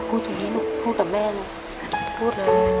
พูดตรงนี้ลูกพูดกับแม่ลูก